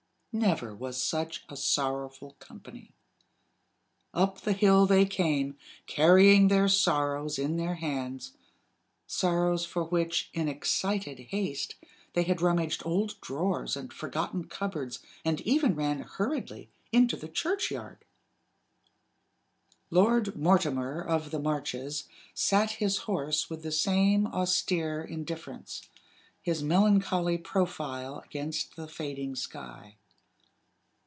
Never was such a sorrowful company. Up the hill they came, carrying their sorrows in their hands sorrows for which, in excited haste, they had rummaged old drawers and forgotten cupboards, and even ran hurriedly into the churchyard. [Illustration: THE HERALD ONCE MORE SET THE TRUMPET TO HIS LIPS AND BLEW] Lord Mortimer of the Marches sat his horse with the same austere indifference, his melancholy profile against the fading sky.